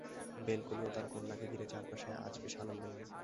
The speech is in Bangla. বেলকলি ও তার কন্যাকে ঘিরে চারপাশ আজ বেশ আনন্দময়।